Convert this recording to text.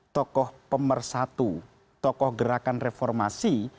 tokoh pemersatu tokoh gerakan reformasi